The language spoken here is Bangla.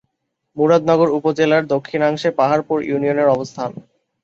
মুরাদনগর উপজেলার দক্ষিণাংশে পাহাড়পুর ইউনিয়নের অবস্থান।